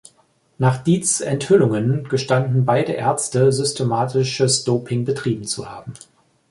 Nach Dietz’ Enthüllungen gestanden beide Ärzte, systematisches Doping betrieben zu haben.